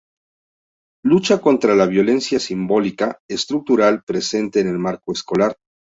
Lucha contra la violencia simbólica, estructural, presente en el marco escolar.